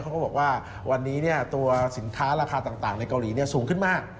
เขาบอกว่าวันนี้ตัวสินค้าราคาต่างในเกาหลีสูงขึ้นมาก